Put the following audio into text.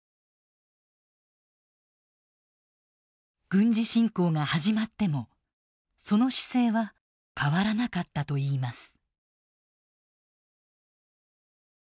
軍事侵攻が始まってもその姿勢は変わらなかったといいます。